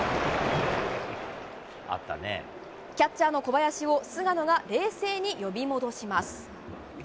キャッチャーの小林を菅野が冷静に呼び戻します。